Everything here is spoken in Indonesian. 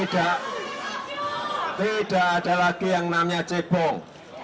tidak ada lagi yang namanya cebong